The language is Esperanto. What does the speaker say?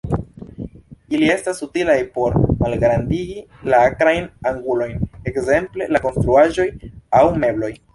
Ili estas utilaj por malgrandigi la akrajn angulojn ekzemple de konstruaĵoj aŭ mebloj.